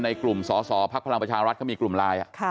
ในกลุ่มสสพักพลังประชารัฐเขามีกลุ่มไลน์